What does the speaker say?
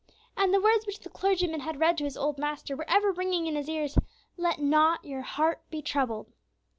And the words which the clergyman had read to his old master were ever ringing in his ears, "Let not your heart be troubled."